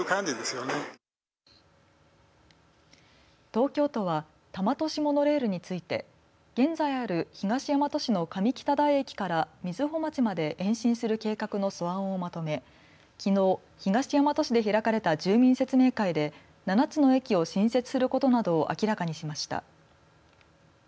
東京都は多摩都市モノレールについて現在ある東大和市の上北台駅から瑞穂町まで延伸する計画の素案をまとめきのう、東大和市で開かれた住民説明会で７つの駅を新設することなどを明らかにしました。